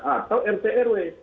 atau rt rw